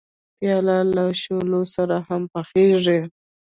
پیاز له شولو سره هم پخیږي